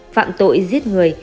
phạm tội giết người